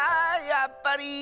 やっぱり。